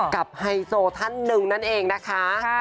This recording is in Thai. ไฮโซท่านหนึ่งนั่นเองนะคะ